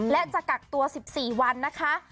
และจะกักตัว๑๔วันนะคะ